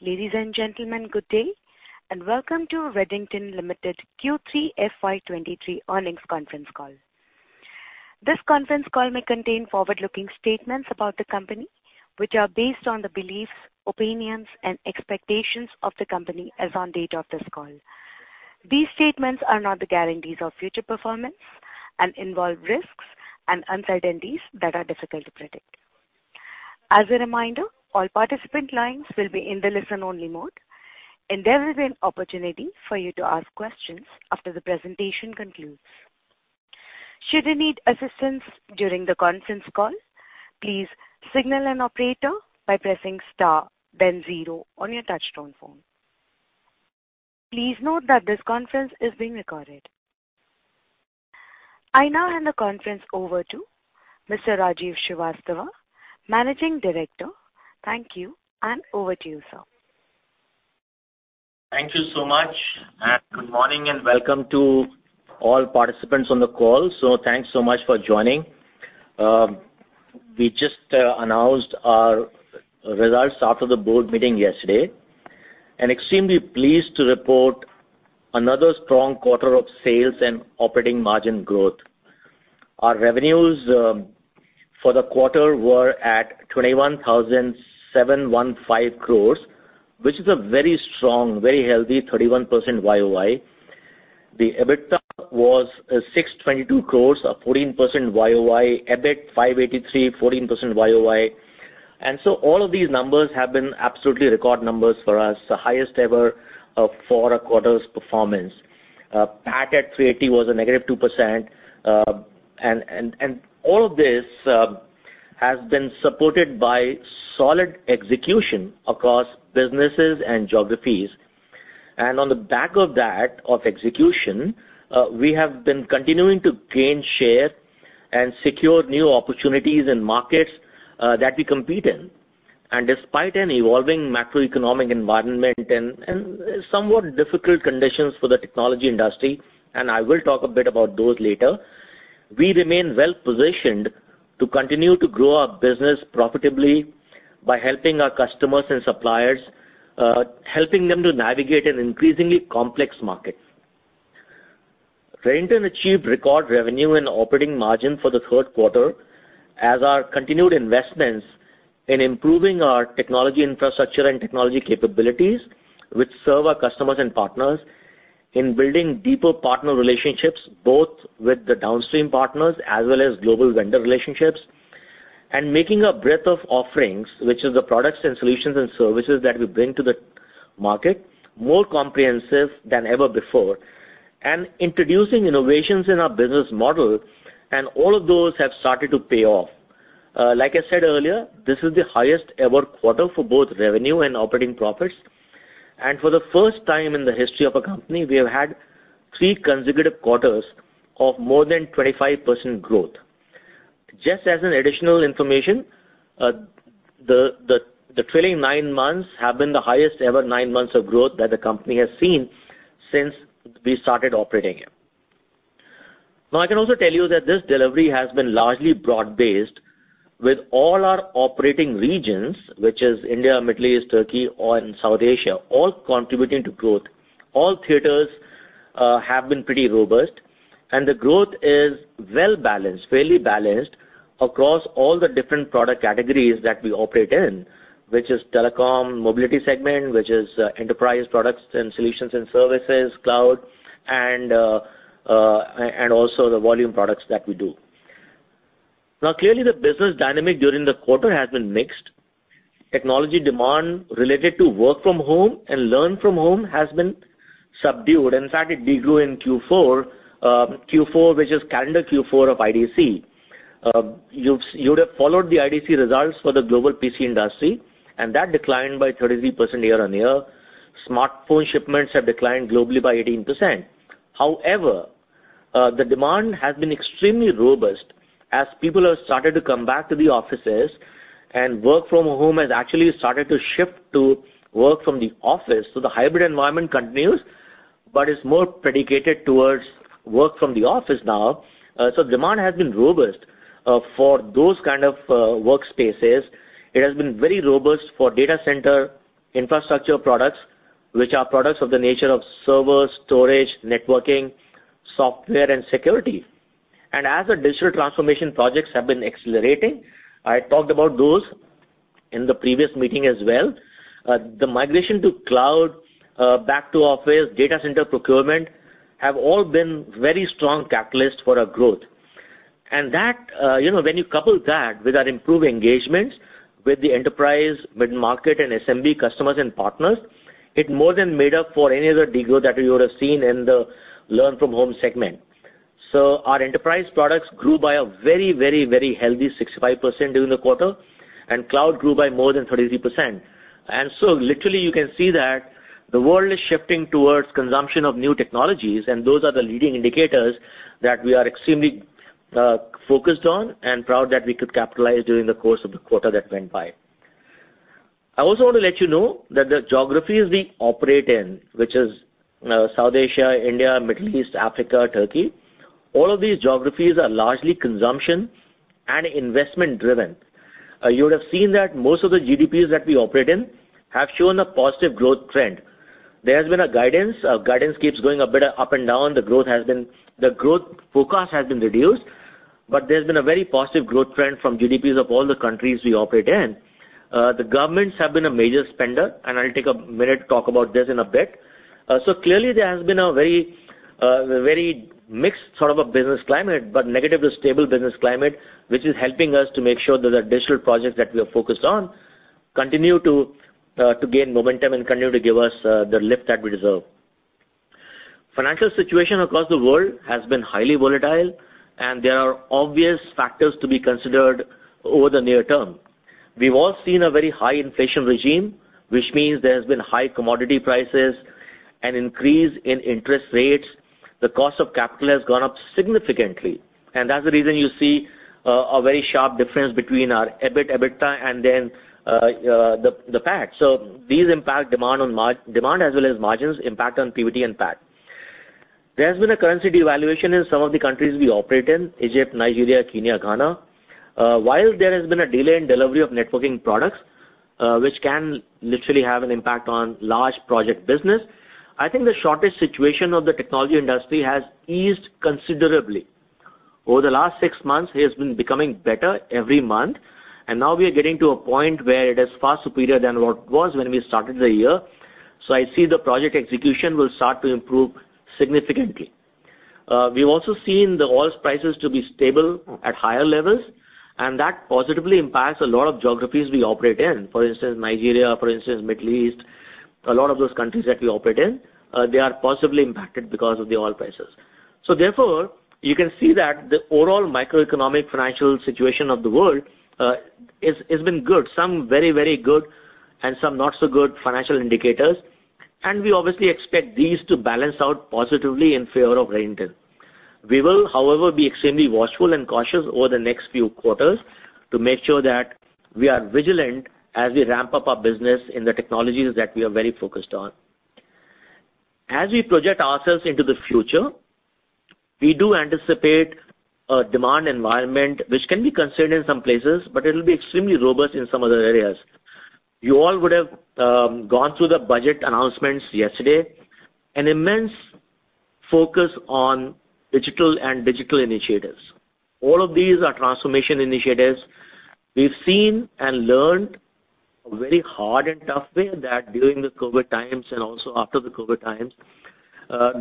Ladies and gentlemen, good day, and welcome to Redington Limited Q3 FY 2023 earnings conference call. This conference call may contain forward-looking statements about the company, which are based on the beliefs, opinions, and expectations of the company as on date of this call. These statements are not the guarantees of future performance and involve risks and uncertainties that are difficult to predict. As a reminder, all participant lines will be in the listen-only mode, and there is an opportunity for you to ask questions after the presentation concludes. Should you need assistance during the conference call, please signal an operator by pressing star then zero on your touchtone phone. Please note that this conference is being recorded. I now hand the conference over to Mr. Rajiv Srivastava, Managing Director. Thank you, and over to you, sir. Thank you so much. Good morning and welcome to all participants on the call. Thanks so much for joining. We just announced our results after the board meeting yesterday, extremely pleased to report another strong quarter of sales and operating margin growth. Our revenues for the quarter were at 21,715 crores, which is a very strong, very healthy 31% Y-o-Y. The EBITDA was 622 crores, a 14% Y-o-Y, EBIT 583, 14% Y-o-Y. All of these numbers have been absolutely record numbers for us, the highest ever of four quarters performance. PAT at 380 was a -2%. All of this has been supported by solid execution across businesses and geographies. On the back of that, of execution, we have been continuing to gain share and secure new opportunities in markets that we compete in. Despite an evolving macroeconomic environment and somewhat difficult conditions for the technology industry, and I will talk a bit about those later, we remain well-positioned to continue to grow our business profitably by helping our customers and suppliers, helping them to navigate an increasingly complex market. Redington achieved record revenue and operating margin for the third quarter as our continued investments in improving our technology infrastructure and technology capabilities, which serve our customers and partners in building deeper partner relationships, both with the downstream partners as well as global vendor relationships. Making a breadth of offerings, which is the products and solutions and services that we bring to the market, more comprehensive than ever before, and introducing innovations in our business model, and all of those have started to pay off. Like I said earlier, this is the highest ever quarter for both revenue and operating profits. For the first time in the history of our company, we have had three consecutive quarters of more than 25% growth. Just as an additional information, the trailing nine months have been the highest ever nine months of growth that the company has seen since we started operating here. I can also tell you that this delivery has been largely broad-based with all our operating regions, which is India, Middle East, Turkey or in South Asia, all contributing to growth. All theaters have been pretty robust. The growth is well-balanced, fairly balanced across all the different product categories that we operate in, which is telecom, mobility segment, which is enterprise products and solutions and services, cloud and also the volume products that we do. Clearly, the business dynamic during the quarter has been mixed. Technology demand related to work from home and learn from home has been subdued. In fact, it de-grew in Q4. Q4, which is calendar Q4 of IDC. You'd have followed the IDC results for the global PC industry, and that declined by 33% year-on-year. Smartphone shipments have declined globally by 18%. However, the demand has been extremely robust as people have started to come back to the offices and work from home has actually started to shift to work from the office. The hybrid environment continues, but it's more predicated towards work from the office now. So demand has been robust for those kind of workspaces. It has been very robust for data center infrastructure products, which are products of the nature of servers, storage, networking, software and security. As the digital transformation projects have been accelerating, I talked about those in the previous meeting as well. The migration to cloud, back to office, data center procurement have all been very strong catalysts for our growth. That, you know, when you couple that with our improved engagements with the enterprise, mid-market and SMB customers and partners, it more than made up for any of the de-grow that we would have seen in the learn from home segment. Our enterprise products grew by a very healthy 65% during the quarter, and cloud grew by more than 33%. Literally you can see that the world is shifting towards consumption of new technologies, and those are the leading indicators that we are extremely focused on and proud that we could capitalize during the course of the quarter that went by. I also want to let you know that the geographies we operate in, which is South Asia, India, Middle East, Africa, Turkey. All of these geographies are largely consumption and investment driven. You would have seen that most of the GDPs that we operate in have shown a positive growth trend. There has been a guidance. Our guidance keeps going a bit up and down. The growth forecast has been reduced, but there's been a very positive growth trend from GDPs of all the countries we operate in. The governments have been a major spender, and I'll take a minute to talk about this in a bit. Clearly there has been a very, very mixed sort of a business climate, but negative to stable business climate, which is helping us to make sure that the digital projects that we are focused on continue to gain momentum and continue to give us the lift that we deserve. Financial situation across the world has been highly volatile, there are obvious factors to be considered over the near term. We've all seen a very high inflation regime, which means there has been high commodity prices and increase in interest rates. The cost of capital has gone up significantly, and that's the reason you see a very sharp difference between our EBIT, EBITDA and then the PAT. These impact demand on demand as well as margins impact on PBT and PAT. There has been a currency devaluation in some of the countries we operate in Egypt, Nigeria, Kenya, Ghana. While there has been a delay in delivery of networking products, which can literally have an impact on large project business, I think the shortage situation of the technology industry has eased considerably. Over the last six months, it has been becoming better every month. Now we are getting to a point where it is far superior than what it was when we started the year. I see the project execution will start to improve significantly. We've also seen the oil prices to be stable at higher levels. That positively impacts a lot of geographies we operate in. For instance, Nigeria, for instance, Middle East. A lot of those countries that we operate in, they are positively impacted because of the oil prices. Therefore, you can see that the overall macroeconomic financial situation of the world is been good. Some very, very good and some not so good financial indicators. We obviously expect these to balance out positively in favor of Redington. We will, however, be extremely watchful and cautious over the next few quarters to make sure that we are vigilant as we ramp up our business in the technologies that we are very focused on. As we project ourselves into the future, we do anticipate a demand environment which can be concerned in some places, but it'll be extremely robust in some other areas. You all would have gone through the budget announcements yesterday, an immense focus on digital and digital initiatives. All of these are transformation initiatives. We've seen and learned a very hard and tough way that during the Covid times and also after the Covid times,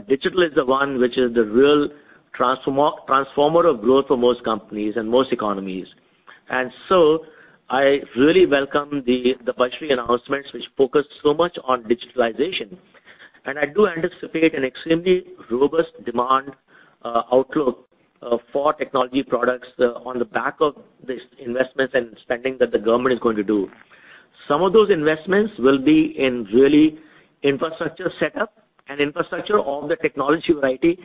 digital is the one which is the real transformer of growth for most companies and most economies. I really welcome the budgetary announcements which focus so much on digitalization. I do anticipate an extremely robust demand outlook for technology products on the back of these investments and spending that the government is going to do. Some of those investments will be in really infrastructure setup and infrastructure, all the technology or IT.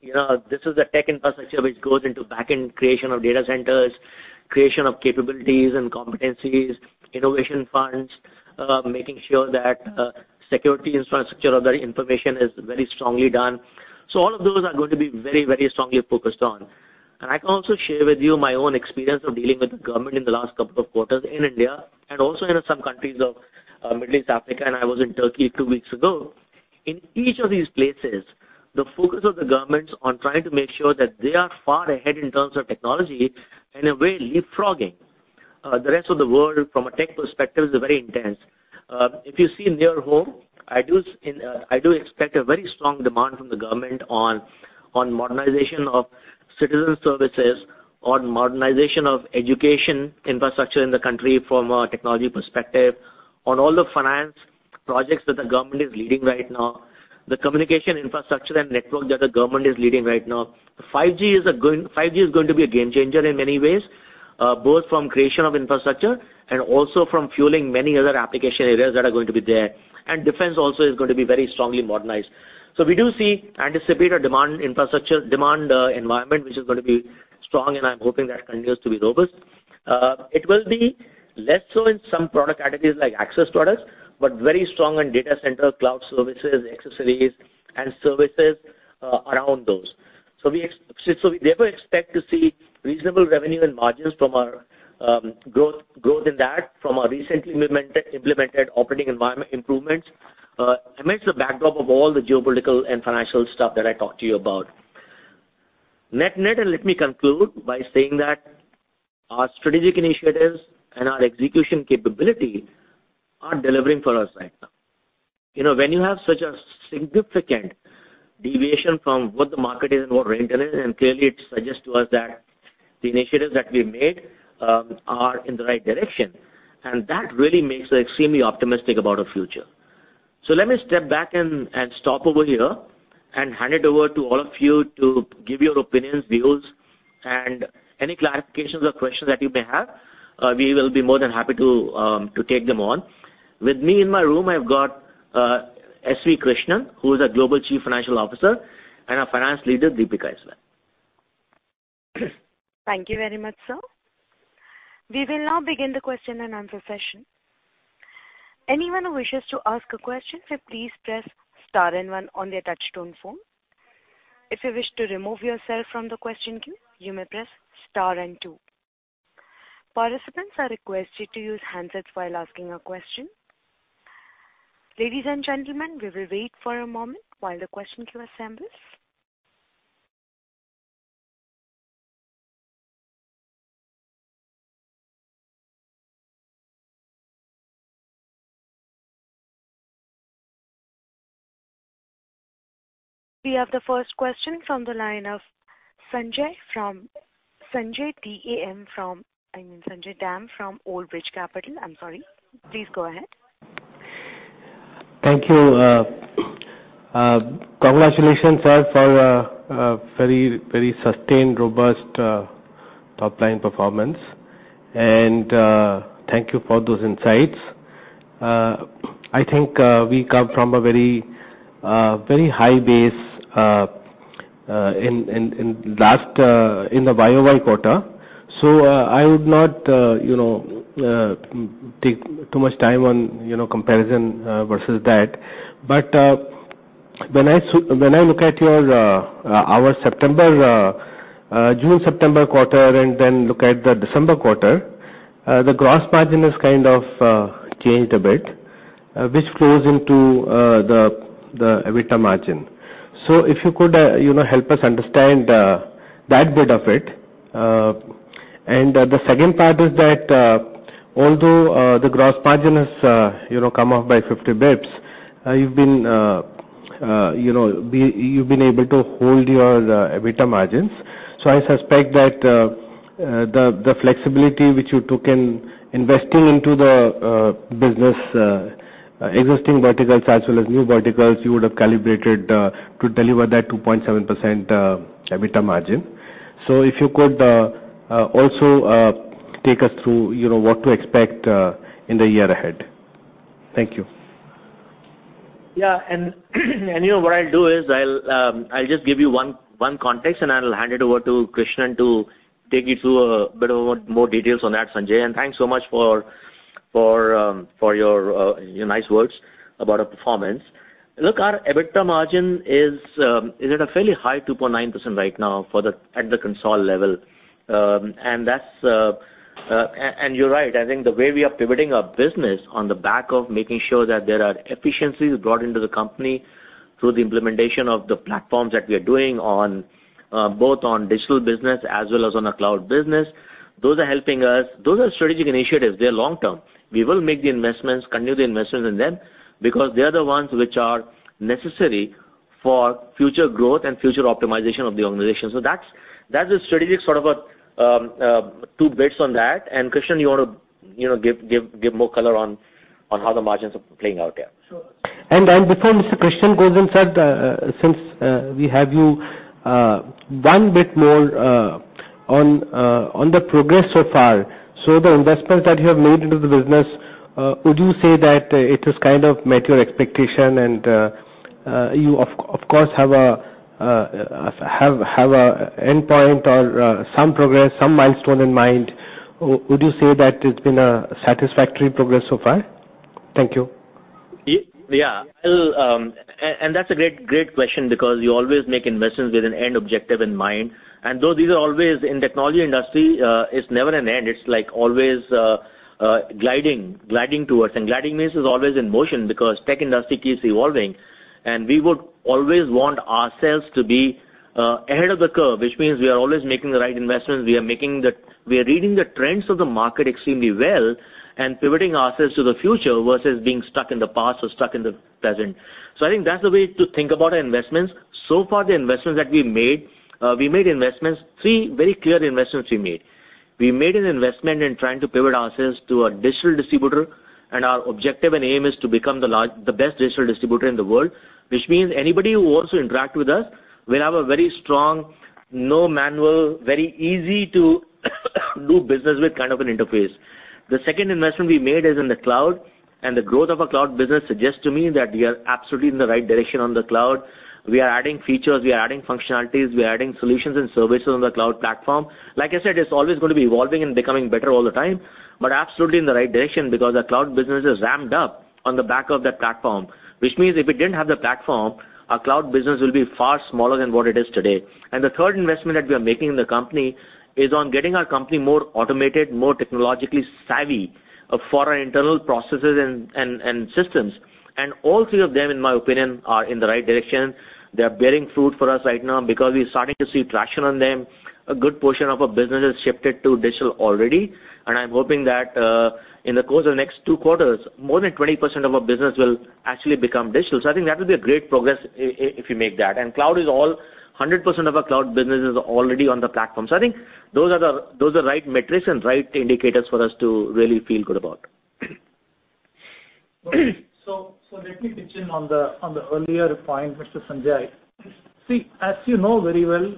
You know, this is a tech infrastructure which goes into back-end creation of data centers, creation of capabilities and competencies, innovation funds, making sure that security infrastructure of that information is very strongly done. All of those are going to be very, very strongly focused on. I can also share with you my own experience of dealing with the government in the last couple of quarters in India and also in some countries of Middle East, Africa. I was in Turkey 2 weeks ago. In each of these places, the focus of the governments on trying to make sure that they are far ahead in terms of technology and are very leapfrogging. The rest of the world from a tech perspective, is very intense. If you see in your home, I do expect a very strong demand from the government on modernization of citizen services, on modernization of education infrastructure in the country from a technology perspective, on all the finance projects that the government is leading right now, the communication infrastructure and networks that the government is leading right now. 5G is going to be a game changer in many ways, both from creation of infrastructure and also from fueling many other application areas that are going to be there. Defense also is going to be very strongly modernized. We do see anticipated demand infrastructure, demand environment, which is going to be strong, and I'm hoping that continues to be robust. It will be less so in some product categories like access products, but very strong in data center, cloud services, accessories and services around those. We therefore expect to see reasonable revenue and margins from our growth in that from our recently implemented operating environment improvements amidst the backdrop of all the geopolitical and financial stuff that I talked to you about. Net-net, let me conclude by saying that our strategic initiatives and our execution capability are delivering for us right now. You know, when you have such a significant deviation from what the market is and what Redington is, and clearly it suggests to us that the initiatives that we made are in the right direction, That really makes us extremely optimistic about our future. Let me step back and stop over here and hand it over to all of you to give your opinions, views and any clarifications or questions that you may have. We will be more than happy to take them on. With me in my room, I've got S.V. Krishnan, who is our Global Chief Financial Officer and our Finance Leader, Deepika as well. Thank you very much, sir. We will now begin the question and answer session. Anyone who wishes to ask a question, please press star and one on their touch-tone phone. If you wish to remove yourself from the question queue, you may press star and two. Participants are requested to use handsets while asking a question. Ladies and gentlemen, we will wait for a moment while the question queue assembles. We have the first question from the line of Sanjay D-A-M from, I mean, Sanjay Dam from Old Bridge Capital. I'm sorry. Please go ahead. Thank you. Congratulations, sir, for a very, very sustained, robust, top-line performance. Thank you for those insights. I think we come from a very, very high base in last in the Y-o-Y quarter. I would not, you know, take too much time on, you know, comparison versus that. But when I look at your our September June-September quarter and then look at the December quarter, the gross margin has kind of changed a bit, which flows into the EBITDA margin. So if you could, you know, help us understand that bit of it. The second part is that, although, the gross margin has, you know, come up by 50 basis points, you've been, you know, you've been able to hold your EBITDA margins. I suspect that, the flexibility which you took in investing into the business, existing verticals as well as new verticals, you would have calibrated, to deliver that 2.7% EBITDA margin. If you could, also, take us through, you know, what to expect, in the year ahead. Thank you. Yeah. You know what I'll do is I'll just give you one context, and I'll hand it over to Krishnan to take you through a bit of more details on that, Sanjay. Thanks so much for your nice words about our performance. Look, our EBITDA margin is at a fairly high 2.9% right now at the console level. That's, and you're right. I think the way we are pivoting our business on the back of making sure that there are efficiencies brought into the company through the implementation of the platforms that we are doing on both on digital business as well as on the cloud business, those are helping us. Those are strategic initiatives. They're long-term. We will make the investments, continue the investments in them because they are the ones which are necessary for future growth and future optimization of the organization. That's, that's a strategic sort of a, two bets on that. Krishnan, you wanna, you know, give more color on how the margins are playing out there. Sure. Before Mr. Krishnan goes in, sir, since we have you, one bit more on the progress so far. The investments that you have made into the business, would you say that it has kind of met your expectation and, you of course, have a endpoint or, some progress, some milestone in mind. Would you say that it's been a satisfactory progress so far? Thank you. Well, that's a great question because you always make investments with an end objective in mind. Though these are always in technology industry, it's never an end. It's like always gliding towards. Gliding means it's always in motion because tech industry keeps evolving. We would always want ourselves to be ahead of the curve, which means we are always making the right investments. We are reading the trends of the market extremely well and pivoting ourselves to the future versus being stuck in the past or stuck in the present. I think that's the way to think about our investments. So far, the investments that we made, we made investments. Three very clear investments we made. We made an investment in trying to pivot ourselves to a digital distributor. Our objective and aim is to become the best digital distributor in the world, which means anybody who wants to interact with us will have a very strong, no manual, very easy to do business with kind of an interface. The second investment we made is in the cloud. The growth of our cloud business suggests to me that we are absolutely in the right direction on the cloud. We are adding features. We are adding functionalities. We are adding solutions and services on the cloud platform. Like I said, it's always gonna be evolving and becoming better all the time, but absolutely in the right direction because our cloud business is ramped up on the back of that platform, which means if we didn't have the platform, our cloud business will be far smaller than what it is today. The third investment that we are making in the company is on getting our company more automated, more technologically savvy for our internal processes and, and systems. All three of them, in my opinion, are in the right direction. They are bearing fruit for us right now because we're starting to see traction on them. A good portion of our business has shifted to digital already, and I'm hoping that in the course of the next two quarters, more than 20% of our business will actually become digital. I think that will be a great progress if we make that. Cloud is 100% of our cloud business is already on the platform. I think those are the right metrics and right indicators for us to really feel good about. Let me pitch in on the earlier point, Mr. Sanjay. See, as you know very well,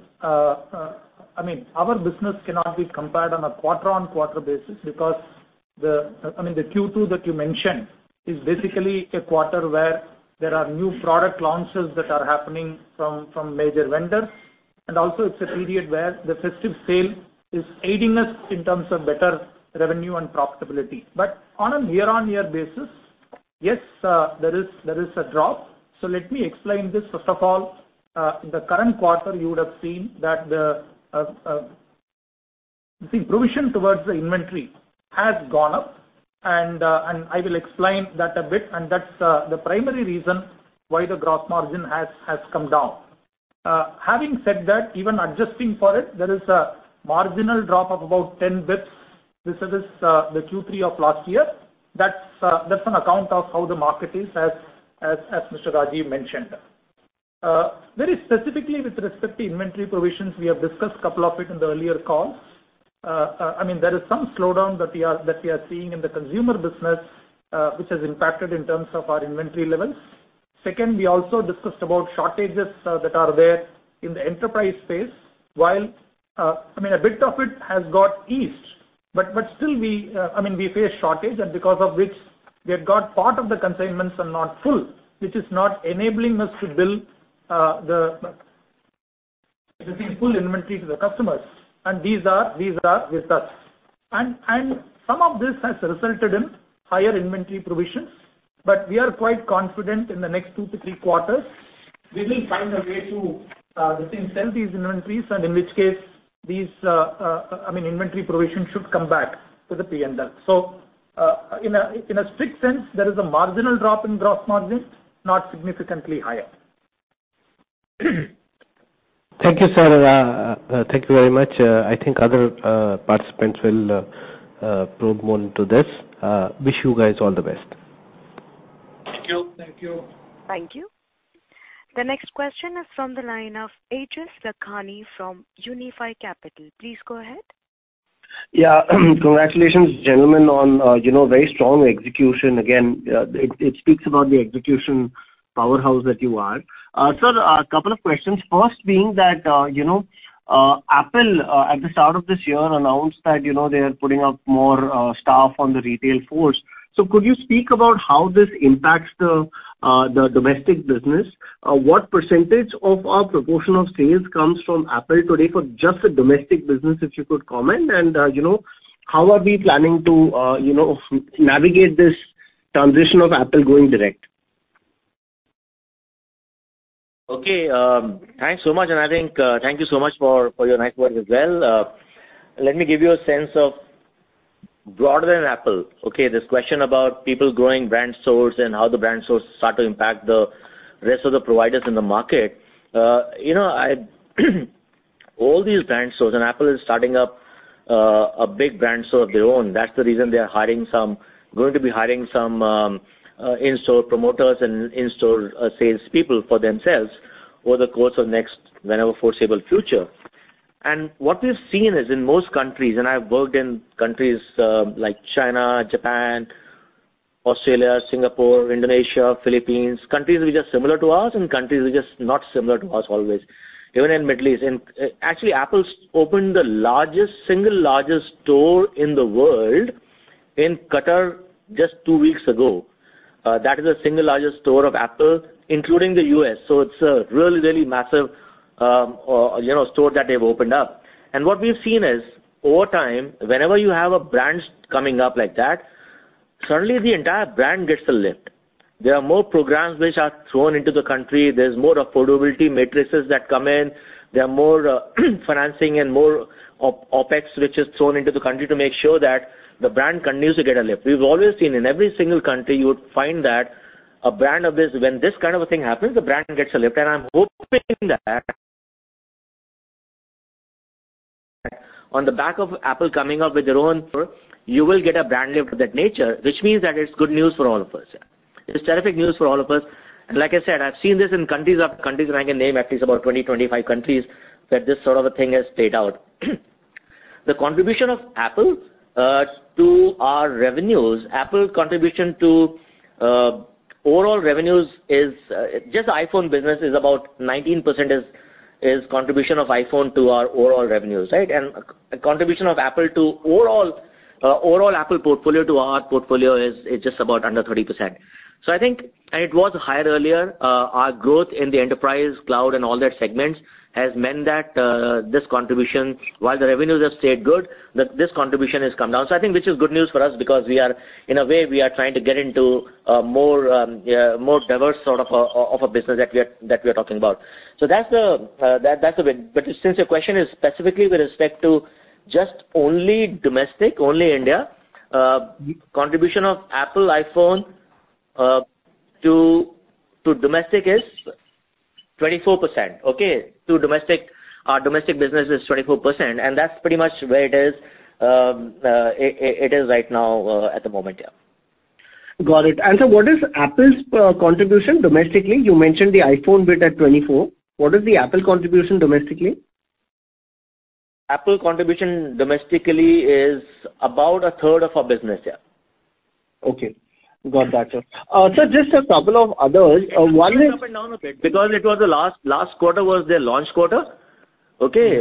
I mean, our business cannot be compared on a quarter-on-quarter basis because... I mean, the Q2 that you mentioned is basically a quarter where there are new product launches that are happening from major vendors, and also it's a period where the festive sale is aiding us in terms of better revenue and profitability. On a year-on-year basis, yes, there is a drop. Let me explain this. First of all, the current quarter, you would have seen that the provision towards the inventory has gone up, and I will explain that a bit, and that's the primary reason why the gross margin has come down. Having said that, even adjusting for it, there is a marginal drop of about 10 bits. This is the Q3 of last year. That's an account of how the market is as Mr. Rajiv mentioned. Very specifically with respect to inventory provisions, we have discussed couple of it in the earlier calls. I mean, there is some slowdown that we are seeing in the consumer business, which has impacted in terms of our inventory levels. Second, we also discussed about shortages that are there in the enterprise space while, I mean, a bit of it has got eased, but still we, I mean, we face shortage and because of which we have got part of the consignments are not full, which is not enabling us to build the full inventory to the customers, and these are with us. Some of this has resulted in higher inventory provisions. We are quite confident in the next two to three quarters, we will find a way to between sell these inventories and in which case these, I mean, inventory provisions should come back to the P&L. In a strict sense, there is a marginal drop in gross margins, not significantly higher. Thank you, sir. Thank you very much. I think other participants will probe more into this. Wish you guys all the best. Thank you. Thank you. Thank you. The next question is from the line of Aejas Lakhani from Unifi Capital. Please go ahead. Yeah. Congratulations, gentlemen, on, you know, very strong execution. Again, it speaks about the execution powerhouse that you are. Sir, a couple of questions. First being that, you know, Apple at the start of this year announced that, you know, they are putting up more staff on the retail force. Could you speak about how this impacts the domestic business? What percentage of our proportion of sales comes from Apple today for just the domestic business, if you could comment? How are we planning to, you know, navigate this transition of Apple going direct? Okay. Thanks so much, and I think, thank you so much for your nice words as well. Let me give you a sense of broader than Apple, okay? This question about people growing brand stores and how the brand stores start to impact the rest of the providers in the market. You know, all these brand stores, and Apple is starting up, a big brand store of their own. That's the reason they are going to be hiring some, in-store promoters and in-store, sales people for themselves over the course of next whenever foreseeable future. What we've seen is in most countries, and I've worked in countries, like China, Japan, Australia, Singapore, Indonesia, Philippines, countries which are similar to us and countries which are not similar to us always, even in Middle East. Actually, Apple's opened the largest, single largest store in the world in Qatar just two weeks ago. That is the single largest store of Apple, including the U.S. It's a really, really massive, you know, store that they've opened up. What we've seen is over time, whenever you have a brand coming up like that, suddenly the entire brand gets a lift. There are more programs which are thrown into the country. There's more affordability matrices that come in. There are more financing and more OpEx, which is thrown into the country to make sure that the brand continues to get a lift. We've always seen in every single country, you would find that a brand of this, when this kind of a thing happens, the brand gets a lift. I'm hoping that on the back of Apple coming up with their own store, you will get a brand lift of that nature, which means that it's good news for all of us, yeah. It's terrific news for all of us. Like I said, I've seen this in countries, and I can name at least about 20-25 countries that this sort of a thing has played out. The contribution of Apple to our revenues, Apple contribution to overall revenues is just iPhone business is about 19% is contribution of iPhone to our overall revenues, right. Contribution of Apple to overall Apple portfolio to our portfolio is just about under 30%. I think, and it was higher earlier, our growth in the enterprise cloud and all that segments has meant that this contribution, while the revenues have stayed good, that this contribution has come down. I think, which is good news for us because we are, in a way, we are trying to get into a more diverse sort of a business that we are talking about. That's the, that's the win. Since your question is specifically with respect to just only domestic, only India, contribution of Apple iPhone to domestic is 24%, okay? To domestic, our domestic business is 24%, and that's pretty much where it is, it is right now, at the moment, yeah. Got it. What is Apple's contribution domestically? You mentioned the iPhone bit at 24%. What is the Apple contribution domestically? Apple contribution domestically is about a third of our business, yeah. Okay. Got that, sir. Sir, just a couple of others. One is.. Because it was the last quarter was their launch quarter. Okay?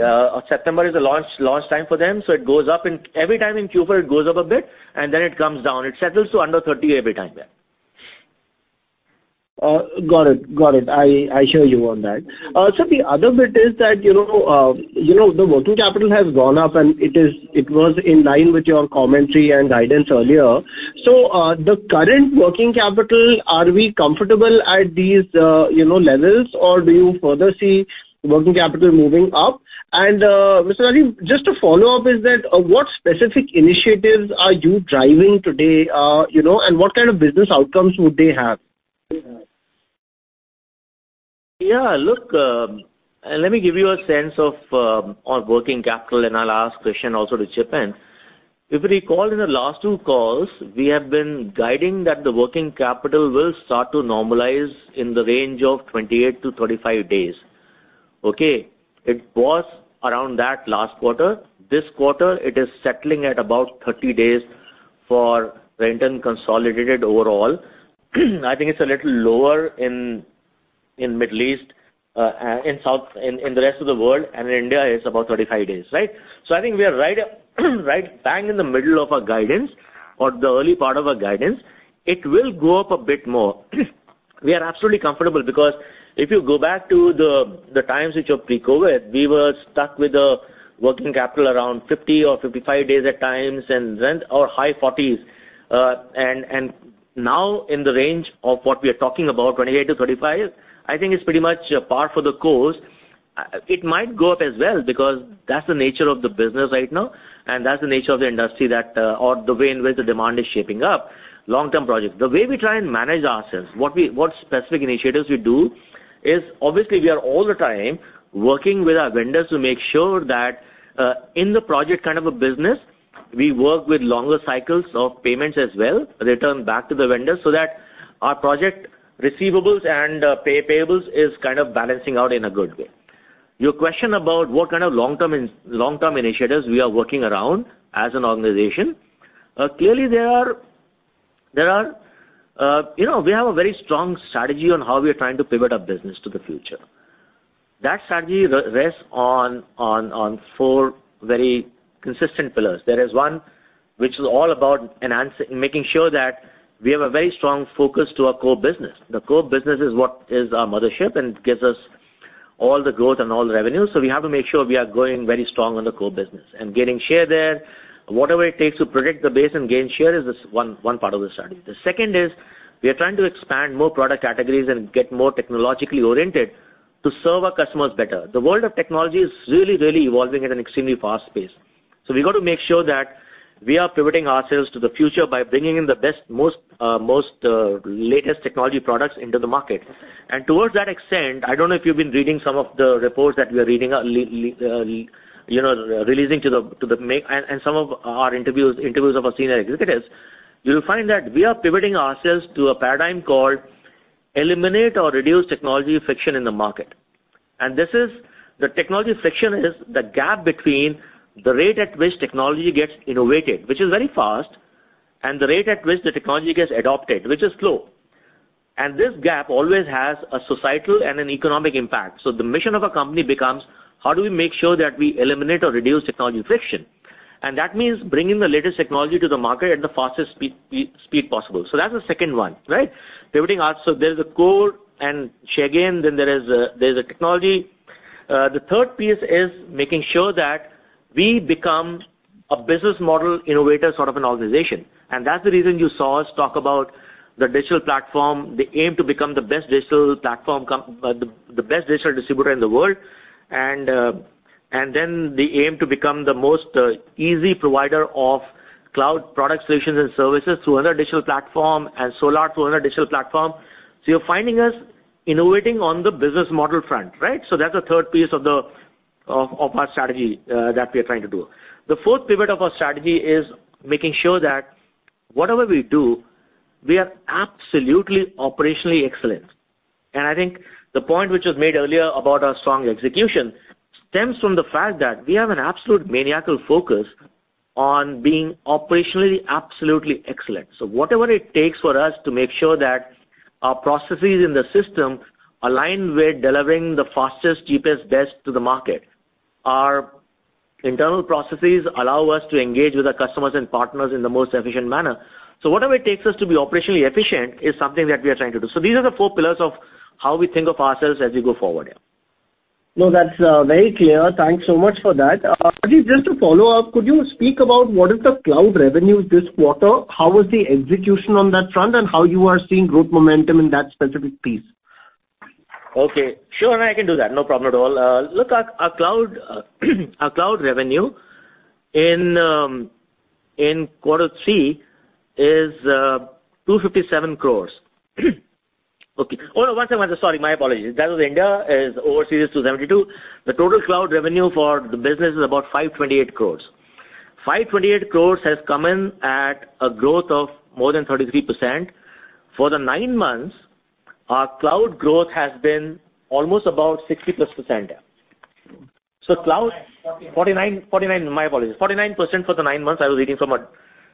September is a launch time for them, so it goes up. Every time in Q4, it goes up a bit and then it comes down. It settles to under 30 every time. Yes. Got it. Got it. I hear you on that. Sir, the other bit is that, you know, you know, the working capital has gone up and it was in line with your commentary and guidance earlier. The current working capital, are we comfortable at these, you know, levels, or do you further see working capital moving up? Mr. Rajiv, just to follow up, is that what specific initiatives are you driving today, you know, and what kind of business outcomes would they have? Look, let me give you a sense of our working capital, and I'll ask Krishnan also to chip in. If you recall in the last two calls, we have been guiding that the working capital will start to normalize in the range of 28-35 days. Okay? It was around that last quarter. This quarter it is settling at about 30 days for Redington consolidated overall. I think it's a little lower in Middle East, in South, in the rest of the world, and in India, it's about 35 days, right? I think we are right bang in the middle of our guidance or the early part of our guidance. It will go up a bit more. We are absolutely comfortable because if you go back to the times which were pre-COVID, we were stuck with a working capital around 50 or 55 days at times and then or high 40s. Now in the range of what we are talking about, 28-35 days, I think it's pretty much par for the course. It might go up as well because that's the nature of the business right now, and that's the nature of the industry that or the way in which the demand is shaping up. Long-term projects. The way we try and manage ourselves, what specific initiatives we do is obviously we are all the time working with our vendors to make sure that, in the project kind of a business, we work with longer cycles of payments as well, return back to the vendors so that our project receivables and payables is kind of balancing out in a good way. Your question about what kind of long-term initiatives we are working around as an organization, clearly there are, you know, we have a very strong strategy on how we are trying to pivot our business to the future. That strategy rests on four very consistent pillars. There is one which is all about enhancing, making sure that we have a very strong focus to our core business. The core business is what is our mothership, and it gives us all the growth and all the revenue. We have to make sure we are growing very strong on the core business and gaining share there. Whatever it takes to protect the base and gain share is this one part of the strategy. The second is we are trying to expand more product categories and get more technologically oriented to serve our customers better. The world of technology is really, really evolving at an extremely fast pace. We've got to make sure that we are pivoting ourselves to the future by bringing in the best, most latest technology products into the market. Towards that extent, I don't know if you've been reading some of the reports that we are reading, you know, releasing to the and some of our interviews of our senior executives. You'll find that we are pivoting ourselves to a paradigm called eliminate or reduce technology friction in the market. This is. The technology friction is the gap between the rate at which technology gets innovated, which is very fast, and the rate at which the technology gets adopted, which is slow. This gap always has a societal and an economic impact. The mission of a company becomes how do we make sure that we eliminate or reduce technology friction? That means bringing the latest technology to the market at the fastest speed possible. That's the second one, right? Pivoting our. There's a core and share gain, there's a technology. The third piece is making sure that we become a business model innovator sort of an organization. That's the reason you saw us talk about the digital platform, the aim to become the best digital platform, the best digital distributor in the world. The aim to become the most easy provider of cloud product solutions and services through our digital platform and Solar through our digital platform. You're finding us innovating on the business model front, right? That's the third piece of our strategy that we are trying to do. The fourth pivot of our strategy is making sure that whatever we do, we are absolutely operationally excellent. I think the point which was made earlier about our strong execution stems from the fact that we have an absolute maniacal focus on being operationally absolutely excellent. Whatever it takes for us to make sure that our processes in the system align with delivering the fastest, cheapest, best to the market. Our internal processes allow us to engage with our customers and partners in the most efficient manner. Whatever it takes us to be operationally efficient is something that we are trying to do. These are the four pillars of how we think of ourselves as we go forward, yeah. No, that's very clear. Thanks so much for that. Rajiv, just to follow up, could you speak about what is the cloud revenue this quarter? How was the execution on that front, and how you are seeing growth momentum in that specific piece? Okay. Sure, I can do that. No problem at all. Look, our cloud revenue in quarter three is 257 crores. Okay. Oh, no. One second. Sorry, my apologies. That was India. Is overseas 272 crores. The total cloud revenue for the business is about 528 crores. 528 crores has come in at a growth of more than 33%. For the nine months, our cloud growth has been almost about 60+%. Cloud.. 49%. 49%. My apologies. 49% for the nine months I was reading from a,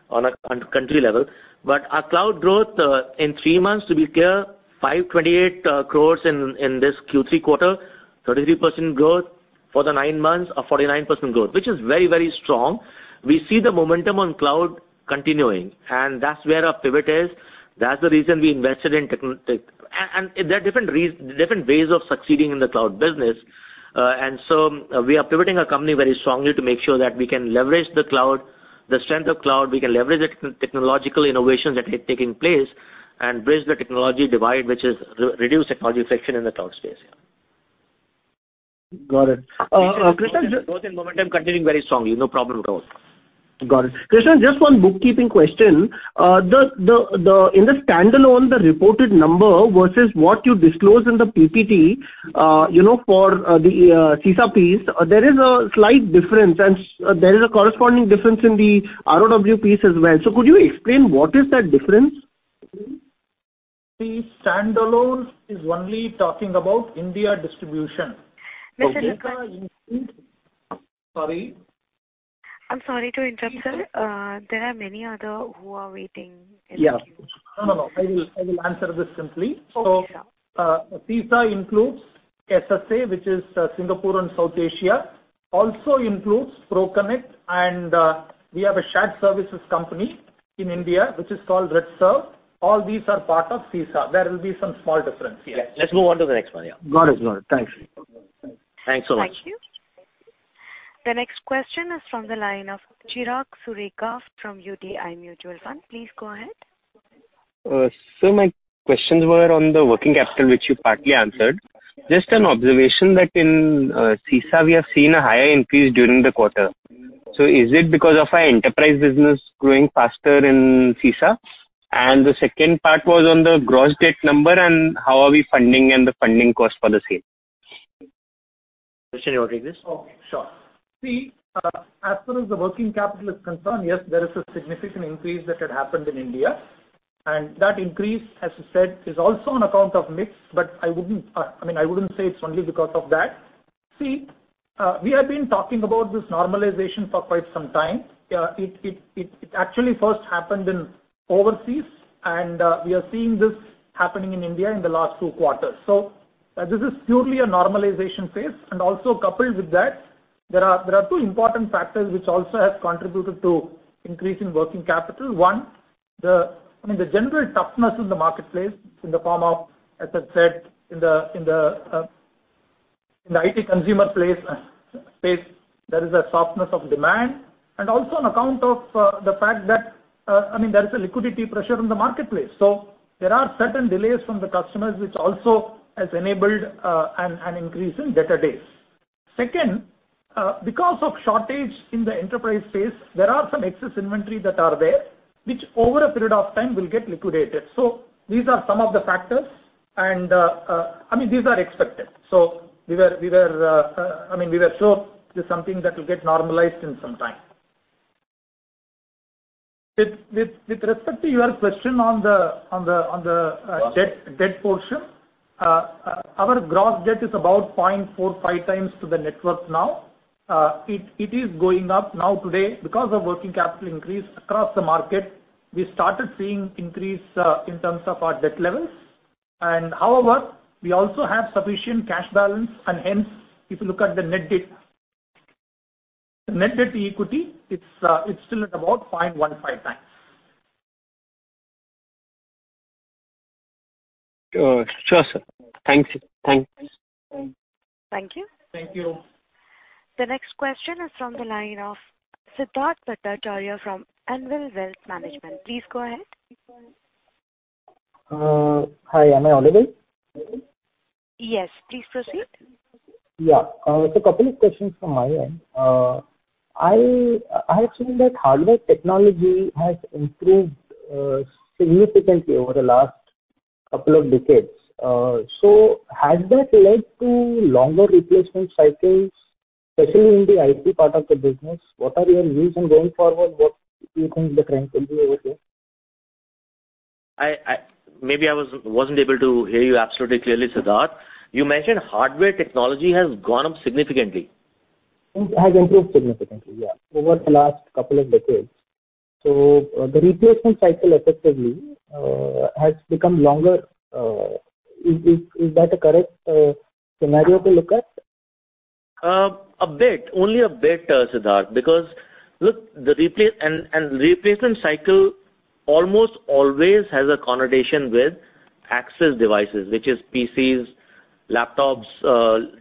on a country level. Our cloud growth, in three months to be clear, 528 crores in this Q3 quarter. 33% growth for the nine months or 49% growth, which is very, very strong. We see the momentum on cloud continuing, and that's where our pivot is. That's the reason we invested in tech. There are different ways of succeeding in the cloud business. We are pivoting our company very strongly to make sure that we can leverage the cloud, the strength of cloud, we can leverage the technological innovations that are taking place and bridge the technology divide, which is reduce technology friction in the cloud space, yeah. Got it. Krishna-. Both in momentum continuing very strongly. No problem at all. Got it. Krishna, just one bookkeeping question. In the standalone, the reported number versus what you disclose in the PPT, you know, for the SISA piece, there is a slight difference, and there is a corresponding difference in the ROW piece as well. Could you explain what is that difference? The standalone is only talking about India distribution. Mr. Krishna.. Sorry. I'm sorry to interrupt, sir. There are many other who are waiting in the queue. Yeah. No, no. I will answer this simply. Okay. SISA includes SSA, which is Singapore and South Asia, also includes ProConnect, and we have a shared services company in India, which is called RedServ. All these are part of SISA. There will be some small difference, yeah. Let's move on to the next one, yeah. Got it. Got it. Thanks. Thanks so much. Thank you. The next question is from the line of Chirag Sureka from UTI Mutual Fund. Please go ahead. My questions were on the working capital, which you partly answered. Just an observation that in SISA, we have seen a higher increase during the quarter. Is it because of our enterprise business growing faster in SISA? The second part was on the gross debt number and how are we funding and the funding cost for the same? Krishnan, do you want to take this? Okay. Sure. As far as the working capital is concerned, yes, there is a significant increase that had happened in India. That increase, as you said, is also on account of mix, but I wouldn't, I mean, I wouldn't say it's only because of that. We have been talking about this normalization for quite some time. It actually first happened in overseas, we are seeing this happening in India in the last two quarters. This is purely a normalization phase, also coupled with that, there are two important factors which also have contributed to increase in working capital. One, the, I mean, the general toughness in the marketplace in the form of, as I said, in the IT consumer space, there is a softness of demand. Also on account of the fact that there is a liquidity pressure in the marketplace. There are certain delays from the customers which also has enabled an increase in debtor days. Second, because of shortage in the enterprise space, there are some excess inventory that are there, which over a period of time will get liquidated. These are some of the factors and these are expected. We were sure this is something that will get normalized in some time. With respect to your question on the debt portion, our gross debt is about 0.45x to the networks now. It is going up now today because of working capital increase across the market. We started seeing increase in terms of our debt levels. However, we also have sufficient cash balance and hence if you look at the net debt. The net debt to equity, it's still at about 0.15x. Sure, sir. Thanks. Thank you. Thank you. The next question is from the line of Siddharth Bhattacharya from Anvil Wealth Management. Please go ahead. Hi. Am I audible? Yes, please proceed. Yeah. Couple of questions from my end. I have seen that hardware technology has improved significantly over the last couple of decades. Has that led to longer replacement cycles, especially in the IT part of the business? What are your views and going forward, what do you think the trend will be over here? I maybe I wasn't able to hear you absolutely clearly, Siddharth. You mentioned hardware technology has gone up significantly. Has improved significantly, yeah, over the last couple of decades. The replacement cycle effectively, has become longer. Is that a correct scenario to look at? A bit. Only a bit, Siddharth, because look, the replacement cycle almost always has a connotation with access devices, which is PCs, laptops,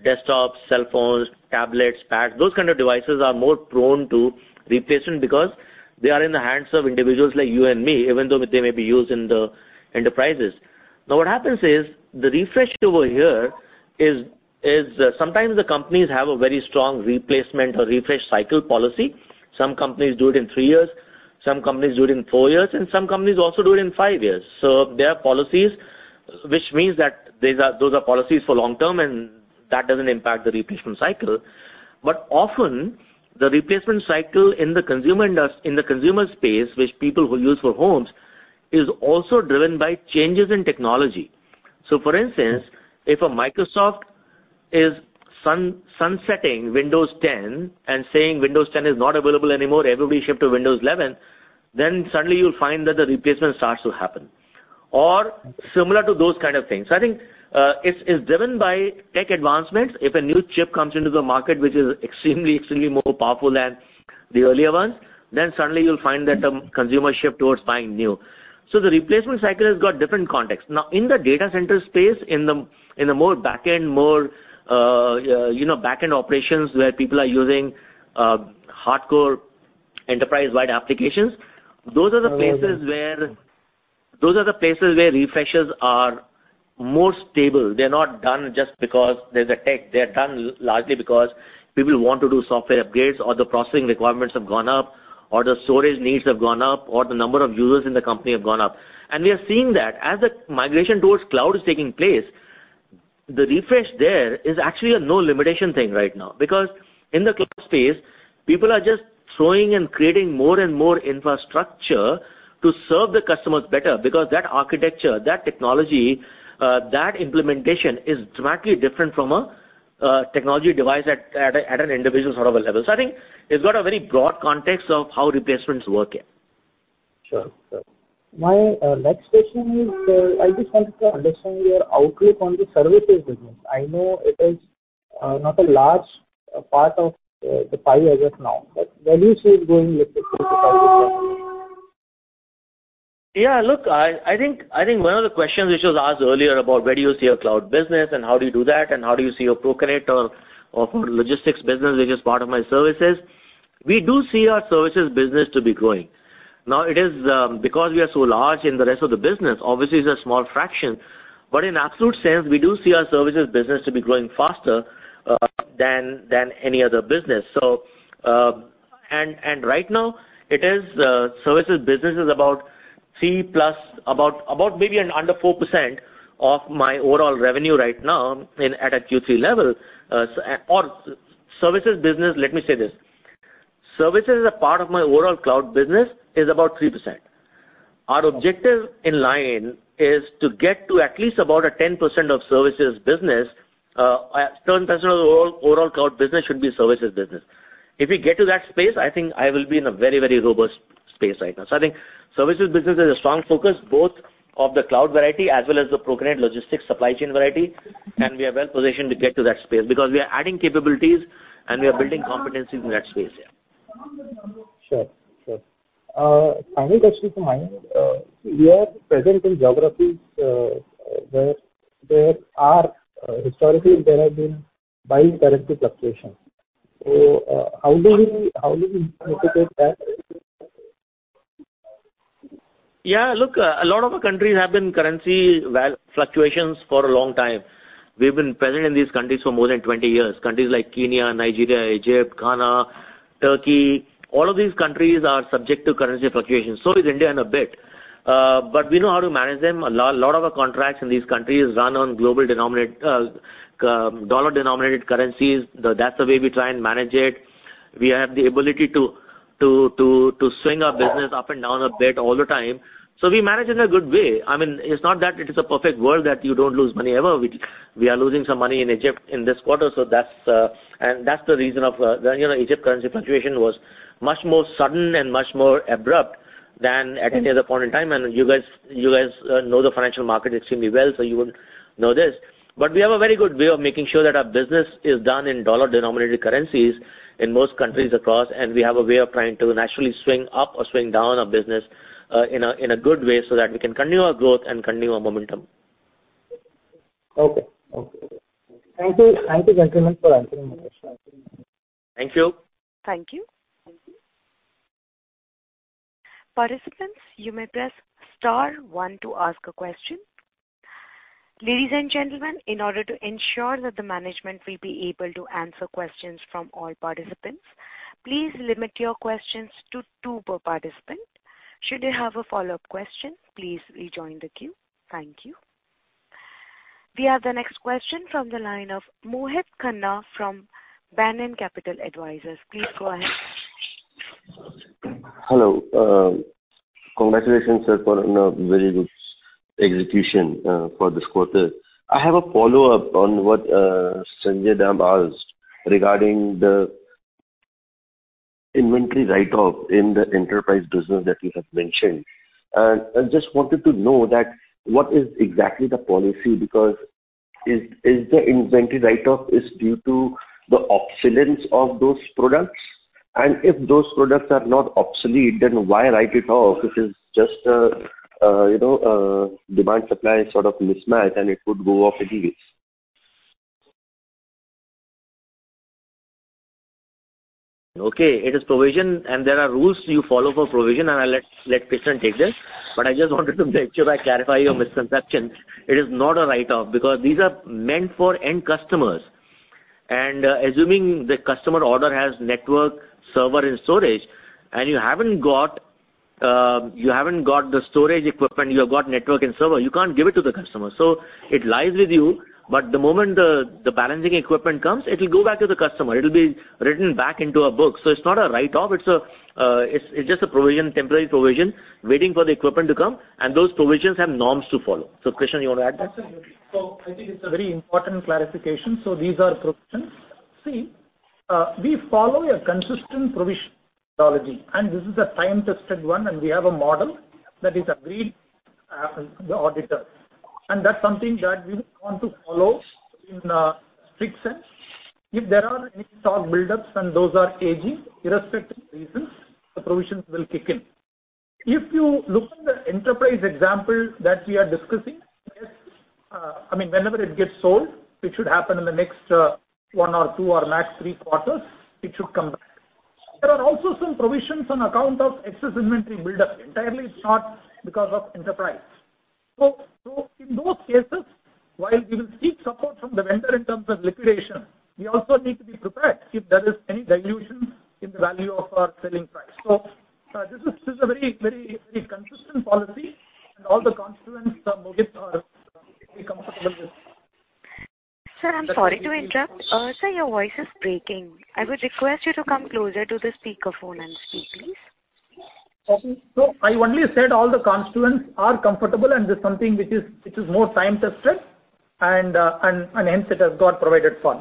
desktops, cell phones, tablets, pads. Those kind of devices are more prone to replacement because they are in the hands of individuals like you and me, even though they may be used in the enterprises. Now, what happens is the refresh over here is sometimes the companies have a very strong replacement or refresh cycle policy. Some companies do it in three years, some companies do it in four years, and some companies also do it in five years. There are policies, which means that these are those are policies for long term, and that doesn't impact the replacement cycle. Often the replacement cycle in the consumer space, which people will use for homes, is also driven by changes in technology. For instance, if a Microsoft is sunsetting Windows 10 and saying Windows 10 is not available anymore, everybody shift to Windows 11, then suddenly you'll find that the replacement starts to happen. Similar to those kind of things. I think it's driven by tech advancements. If a new chip comes into the market, which is extremely more powerful than the earlier ones, then suddenly you'll find that the consumer shift towards buying new. The replacement cycle has got different context. Now, in the data center space, in the more back-end, more, you know, back-end operations where people are using hardcore enterprise-wide applications, those are the places where refreshes are more stable. They're not done just because there's a tech. They're done largely because people want to do software upgrades, or the processing requirements have gone up, or the storage needs have gone up, or the number of users in the company have gone up. We are seeing that as the migration towards cloud is taking place, the refresh there is actually a no limitation thing right now. Because in the cloud space, people are just throwing and creating more and more infrastructure to serve the customers better. Because that architecture, that technology, that implementation is dramatically different from a technology device at a, at an individual sort of a level. I think it's got a very broad context of how replacements work here. Sure. My next question is, I just wanted to understand your outlook on the services business. I know it is not a large part of the pie as of now, but where do you see it going with the future targets? Yeah. Look, I think one of the questions which was asked earlier about where do you see your cloud business and how do you do that, and how do you see your ProConnect or logistics business, which is part of my services, we do see our services business to be growing. Now it is, because we are so large in the rest of the business, obviously it's a small fraction, but in absolute sense, we do see our services business to be growing faster than any other business. Right now it is, services business is about 3+%, about maybe an under 4% of my overall revenue right now at a Q3 level. Services as a part of my overall cloud business is about 3%. Our objective in line is to get to at least about a 10% of services business. 10% of the overall cloud business should be services business. If we get to that space, I think I will be in a very, very robust space right now. I think services business is a strong focus, both of the cloud variety as well as the ProConnect logistics supply chain variety. We are well positioned to get to that space because we are adding capabilities and we are building competencies in that space. Sure. Sure. Final question from my end. You are present in geographies, where there are, historically there have been buying currency fluctuations. How do you anticipate that? Look, a lot of our countries have been currency fluctuations for a long time. We've been present in these countries for more than 20 years. Countries like Kenya, Nigeria, Egypt, Ghana, Turkey, all of these countries are subject to currency fluctuations, so is India in a bit. We know how to manage them. Lot of our contracts in these countries run on dollar-denominated currencies. That's the way we try and manage it. We have the ability to swing our business up and down a bit all the time. We manage in a good way. I mean, it's not that it is a perfect world that you don't lose money ever. We are losing some money in Egypt in this quarter. That's and that's the reason of, you know, Egypt currency fluctuation was much more sudden and much more abrupt than at any other point in time. You guys know the financial market extremely well, so you would know this. We have a very good way of making sure that our business is done in dollar-denominated currencies in most countries across, and we have a way of trying to naturally swing up or swing down our business in a good way so that we can continue our growth and continue our momentum. Okay. Okay. Thank you. Thank you, gentlemen, for answering my questions. Thank you. Thank you. Participants, you may press star one to ask a question. Ladies and gentlemen, in order to ensure that the management will be able to answer questions from all participants, please limit your questions to two per participant. Should you have a follow-up question, please rejoin the queue. Thank you. We have the next question from the line of Mohit Khanna from Banyan Capital Advisors. Please go ahead. Hello. Congratulations, sir, for, you know, very good execution, for this quarter. I have a follow-up on what Sanjay Dam asked regarding the inventory write-off in the enterprise business that you have mentioned. I just wanted to know that what is exactly the policy? Because is the inventory write-off is due to the obsolescence of those products? If those products are not obsolete, then why write it off? It is just a, you know, a demand supply sort of mismatch, and it would go off anyways. Okay. It is provision. There are rules you follow for provision. I'll let Krishnan take this. I just wanted to make sure I clarify your misconception. It is not a write-off because these are meant for end customers. Assuming the customer order has network, server and storage, and you haven't got the storage equipment, you have got network and server, you can't give it to the customer. It lies with you. The moment the balancing equipment comes, it'll go back to the customer. It'll be written back into a book. It's not a write-off, it's just a provision, temporary provision waiting for the equipment to come, and those provisions have norms to follow. Krishnan, you want to add? Absolutely. I think it's a very important clarification. These are provisions. See, we follow a consistent provision methodology, and this is a time-tested one, and we have a model that is agreed by the auditor. That's something that we want to follow in a strict sense. If there are any stock buildups and those are aging, irrespective of reasons, the provisions will kick in. If you look at the enterprise example that we are discussing, I mean, whenever it gets sold, it should happen in the next one or two or max three quarters, it should come back. There are also some provisions on account of excess inventory buildup. Entirely, it's not because of enterprise. In those cases, while we will seek support from the vendor in terms of liquidation, we also need to be prepared if there is any dilution in the value of our selling price. This is a very, very, very consistent policy and all the constituents are comfortable with.. Sir, I'm sorry to interrupt. Sir, your voice is breaking. I would request you to come closer to the speaker phone and speak, please. I only said all the constituents are comfortable, and this is something which is more time-tested and hence it has got provided for.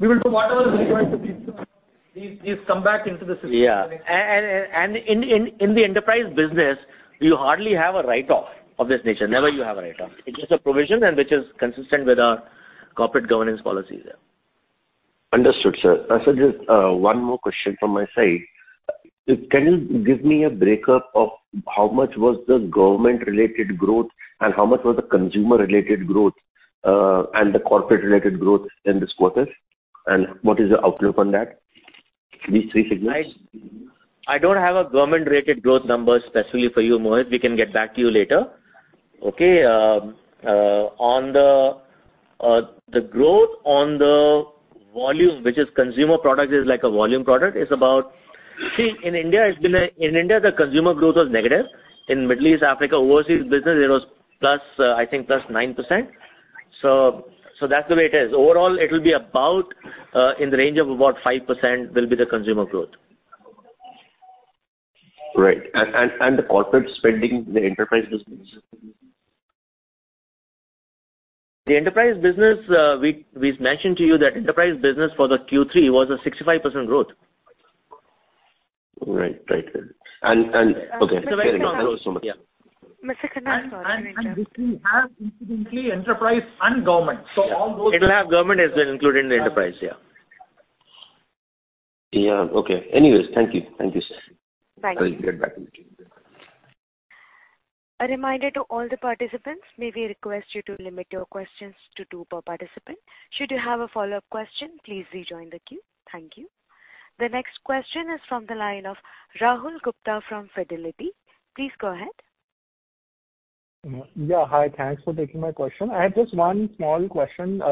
We will do whatever is required to be done. These come back into the system. Yeah. In the enterprise business, you hardly have a write-off of this nature. Never you have a write-off. It's just a provision and which is consistent with our corporate governance policy, yeah. Understood, sir. Just, one more question from my side. Can you give me a breakup of how much was the government-related growth and how much was the consumer-related growth, and the corporate-related growth in this quarter? What is your outlook on that, these three segments? I don't have a government-related growth numbers specifically for you, Mohit. We can get back to you later. Okay, on the growth on the volume, which is consumer product is like a volume product, is about. See, in India, the consumer growth was negative. In Middle East, Africa, overseas business, it was plus, I think plus 9%. That's the way it is. Overall, it will be about, in the range of about 5% will be the consumer growth. Right. The corporate spending, the enterprise business? The enterprise business, we've mentioned to you that enterprise business for the Q3 was a 65% growth. Right. Right. Okay. Very good. Thank you so much. Mr. Khanna. Sorry to interrupt. And this is simply enterprise and government. So all those... It will have government as well included in the enterprise. Yeah. Yeah. Okay. Anyways, thank you. Thank you, sir. Thanks. I will get back with you. A reminder to all the participants, may we request you to limit your questions to two per participant. Should you have a follow-up question, please rejoin the queue. Thank you. The next question is from the line of Rahul Gupta from Fidelity. Please go ahead. Yeah. Hi. Thanks for taking my question. I have just one small question.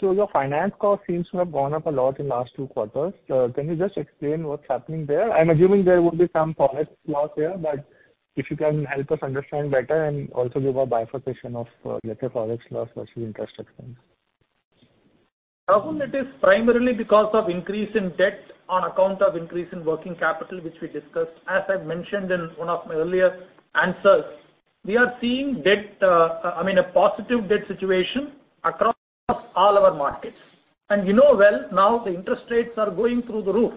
Your finance cost seems to have gone up a lot in last two quarters. Can you just explain what's happening there? I'm assuming there would be some forex loss here, but if you can help us understand better and also give a bifurcation of, let's say, forex loss versus interest expense. Rahul, it is primarily because of increase in debt on account of increase in working capital, which we discussed. As I mentioned in one of my earlier answers, we are seeing debt, I mean, a positive debt situation across all our markets. You know well now the interest rates are going through the roof,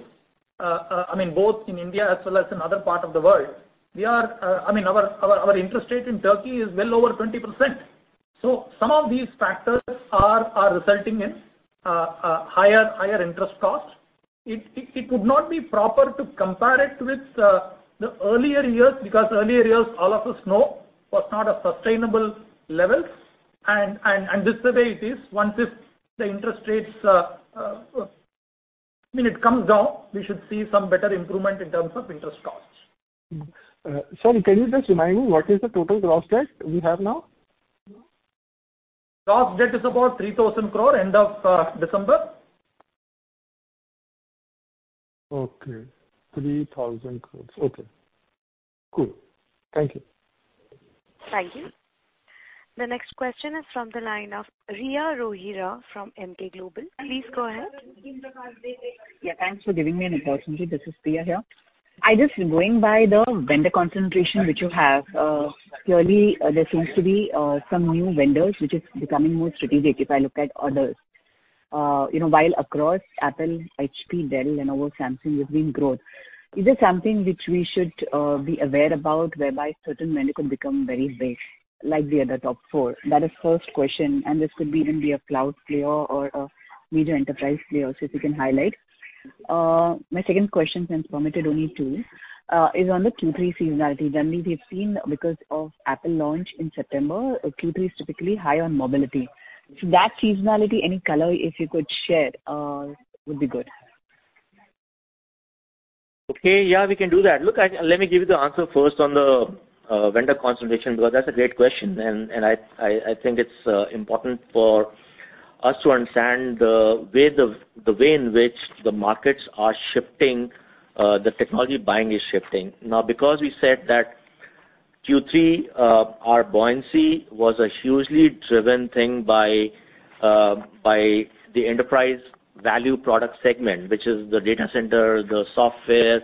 I mean, both in India as well as in other part of the world. We are, I mean, our interest rate in Turkey is well over 20%. Some of these factors are resulting in higher interest costs. It would not be proper to compare it with the earlier years, because earlier years, all of us know, was not a sustainable levels. This is the way it is. Once this, the interest rates, I mean, it comes down, we should see some better improvement in terms of interest costs. Sir, can you just remind me what is the total gross debt we have now? Gross debt is about 3,000 crore end of December. Okay. 3,000 crores. Okay. Cool. Thank you. Thank you. The next question is from the line of Priya Rohira from Emkay Global. Please go ahead. Thanks for giving me an opportunity. This is Priya here. I just going by the vendor concentration which you have, clearly there seems to be some new vendors which is becoming more strategic if I look at orders. You know, while across Apple, HP, Dell, Lenovo, Samsung, there's been growth. Is there something which we should be aware about whereby certain vendor could become very big like the other top four? That is first question, and this could even be a cloud player or a major enterprise player, so if you can highlight. My second question, since permitted only two, is on the Q3 seasonality. Generally, we've seen because of Apple launch in September, Q3 is typically high on mobility. That seasonality, any color if you could share, would be good. Okay. Yeah, we can do that. Look, let me give you the answer first on the vendor concentration, because that's a great question. I think it's important for us to understand the way in which the markets are shifting, the technology buying is shifting. Now, because we said that Q3, our buoyancy was a hugely driven thing by the enterprise value product segment, which is the data center, the software,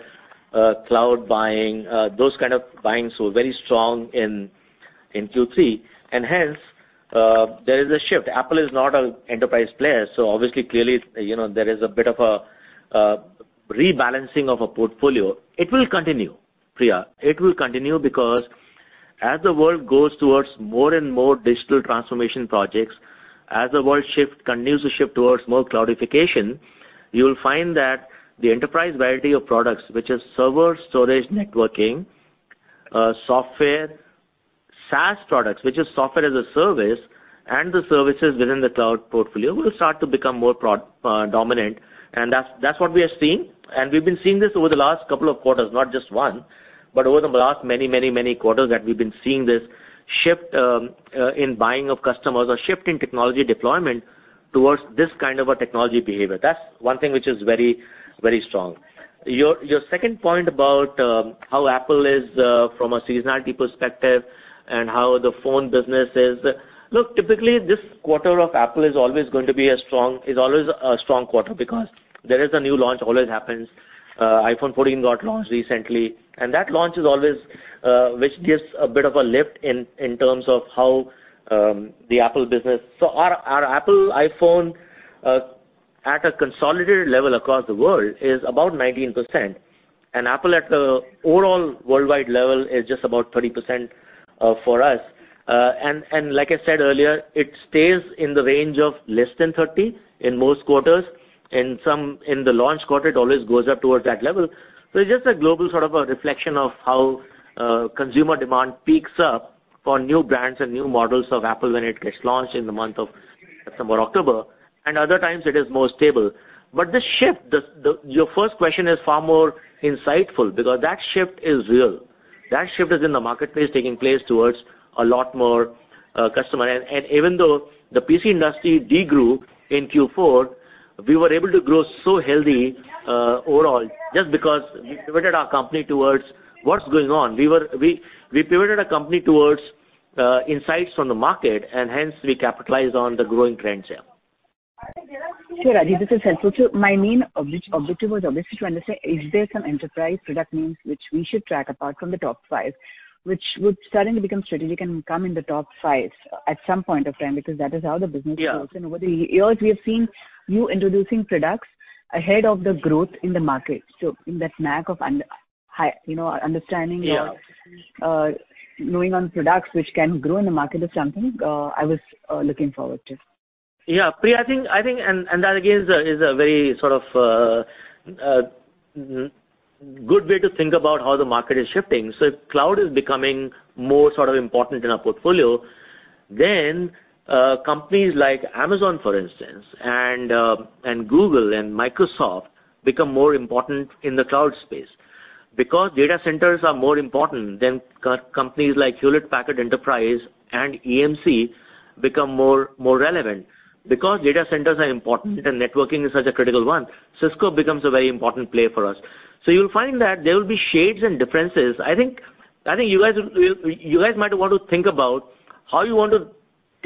cloud buying, those kind of buying. Very strong in Q3. Hence, there is a shift. Apple is not an enterprise player, so obviously, clearly, you know, there is a bit of a rebalancing of a portfolio. It will continue, Priya. It will continue because as the world goes towards more and more digital transformation projects, as the world shift, continues to shift towards more cloudification, you'll find that the enterprise variety of products, which is server, storage, networking, software, SaaS products, which is software as a service, and the services within the cloud portfolio will start to become more dominant, that's what we are seeing. We've been seeing this over the last couple of quarters, not just one, but over the last many quarters that we've been seeing this shift in buying of customers or shift in technology deployment towards this kind of a technology behavior. That's one thing which is very, very strong. Your second point about how Apple is from a seasonality perspective and how the phone business is. Look, typically this quarter of Apple is always going to be as strong, is always a strong quarter because there is a new launch always happens. iPhone 14 got launched recently, and that launch is always, which gives a bit of a lift in terms of how the Apple business. Our Apple iPhone, at a consolidated level across the world is about 19%, and Apple at the overall worldwide level is just about 30% for us. Like I said earlier, it stays in the range of less than 30 in most quarters. In the launch quarter, it always goes up towards that level. It's just a global sort of a reflection of how consumer demand peaks up for new brands and new models of Apple when it gets launched in the month of September, October, and other times it is more stable. Your first question is far more insightful because that shift is real. That shift is in the marketplace taking place towards a lot more customer. Even though the PC industry de-grew in Q4, we were able to grow so healthy overall, just because we pivoted our company towards what's going on. We pivoted our company towards insights from the market, and hence we capitalized on the growing trends here. Sure, Rajiv. This is helpful. My main objective was obviously to understand is there some enterprise product names which we should track apart from the top five, which would suddenly become strategic and come in the top five at some point of time, because that is how the business is changing. Yeah. Over the years, we have seen you introducing products ahead of the growth in the market. In that knack of you know, understanding or- Yeah. Moving on products which can grow in the market or something, I was looking forward to. Yeah. Priya, I think. That again is a very sort of good way to think about how the market is shifting. If cloud is becoming more sort of important in our portfolio, then companies like Amazon, for instance, and Google and Microsoft become more important in the cloud space. Data centers are more important, then companies like Hewlett Packard Enterprise and EMC become more relevant. Data centers are important and networking is such a critical one, Cisco becomes a very important player for us. You'll find that there will be shades and differences. I think you guys will.. You guys might want to think about how you want to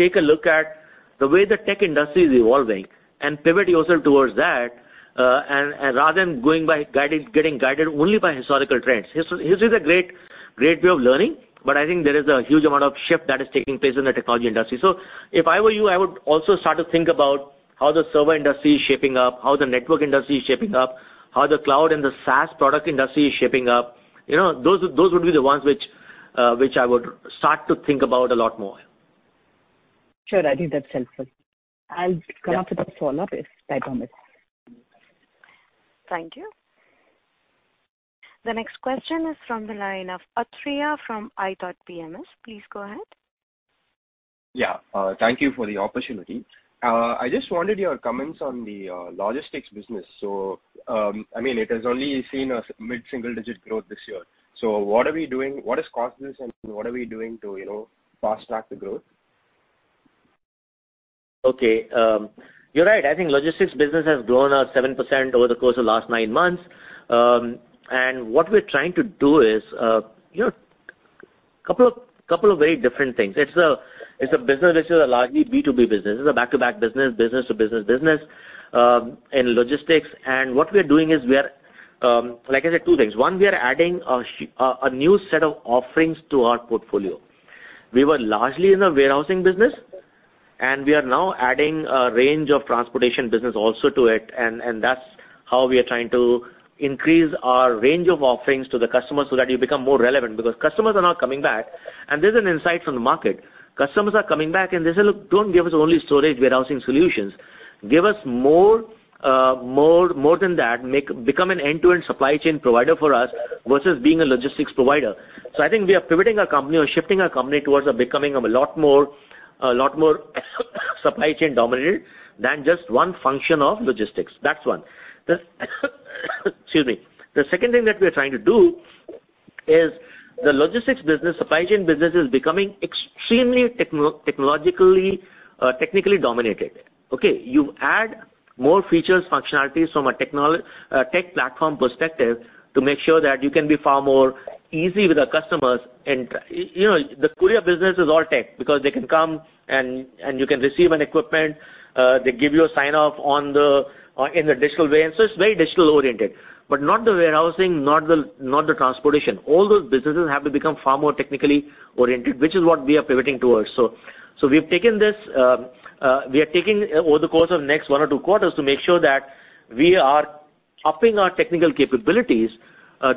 take a look at the way the tech industry is evolving and pivot yourself towards that, and rather than going by getting guided only by historical trends. History is a great way of learning, but I think there is a huge amount of shift that is taking place in the technology industry. If I were you, I would also start to think about how the server industry is shaping up, how the network industry is shaping up, how the cloud and the SaaS product industry is shaping up. You know, those would be the ones which I would start to think about a lot more. Sure, Rajiv. That's helpful. I'll come up with a follow-up if time permits. Thank you. The next question is from the line of Athreya from ithoughtPMS. Please go ahead. Yeah. Thank you for the opportunity. I just wanted your comments on the logistics business. I mean, it has only seen a mid-single-digit growth this year. What are we doing? What has caused this, and what are we doing to, you know, fast-track the growth? Okay. You're right. I think logistics business has grown at 7% over the course of last nine months. What we're trying to do is, you know, couple of very different things. It's a, it's a business which is a largely B2B business. This is a back-to-back business-to-business business in logistics. What we are doing is we are, like I said, two things. One, we are adding a new set of offerings to our portfolio. We were largely in the warehousing business, and we are now adding a range of transportation business also to it. That's how we are trying to increase our range of offerings to the customers so that you become more relevant. Customers are now coming back, and this is an insight from the market. Customers are coming back, they say, "Look, don't give us only storage warehousing solutions. Give us more than that. Become an end-to-end supply chain provider for us versus being a logistics provider." I think we are pivoting our company or shifting our company towards becoming a lot more supply chain dominated than just one function of logistics. That's one. Excuse me. The second thing that we're trying to do is the logistics business, supply chain business is becoming extremely technologically, technically dominated, okay? You add more features, functionalities from a tech platform perspective to make sure that you can be far more easy with the customers. You know, the courier business is all tech because they can come and you can receive an equipment. They give you a sign-off on the, in a digital way. It's very digital-oriented, but not the warehousing, not the transportation. All those businesses have to become far more technically oriented, which is what we are pivoting towards. We've taken this, we are taking over the course of next one or two quarters to make sure that we are upping our technical capabilities,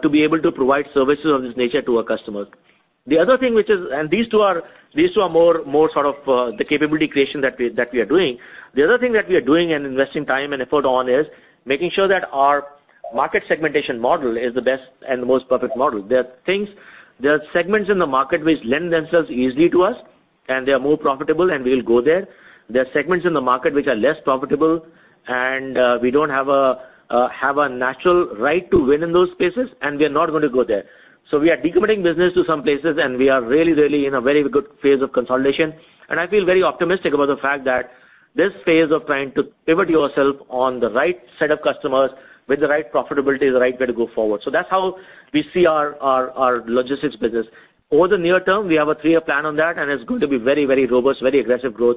to be able to provide services of this nature to our customers. The other thing which is. These two are more sort of, the capability creation that we are doing. The other thing that we are doing and investing time and effort on is making sure that our market segmentation model is the best and the most perfect model. There are segments in the market which lend themselves easily to us, and they are more profitable, and we'll go there. There are segments in the market which are less profitable, and we don't have a natural right to win in those spaces, and we are not going to go there. We are decommitting business to some places, and we are really in a very good phase of consolidation. I feel very optimistic about the fact that this phase of trying to pivot yourself on the right set of customers with the right profitability is the right way to go forward. That's how we see our, our logistics business. Over the near term, we have a three-year plan on that, and it's going to be very robust, very aggressive growth